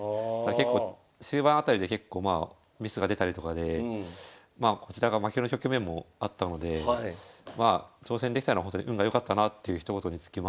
結構終盤辺りで結構まあミスが出たりとかでこちらが負ける局面もあったので挑戦できたのはほんとに運が良かったなというひと言に尽きますね。